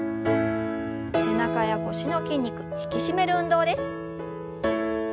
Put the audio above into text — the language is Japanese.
背中や腰の筋肉引き締める運動です。